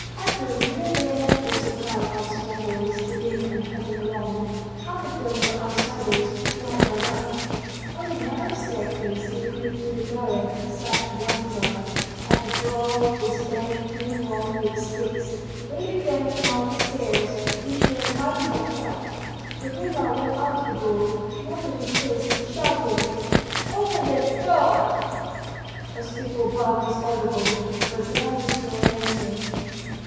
At the rear there was a crowd of small boys skipping and hopping along; half of them were outsiders who had run up. On the narrow staircase leading to the garret sat one guard; at the door were standing two more with sticks. They began to mount the stairs, which they entirely blocked up. Gavrila went up to the door, knocked with his fist, shouting, "Open the door!" A stifled bark was audible, but there was no answer.